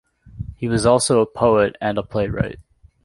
He was also a poet and a playwright.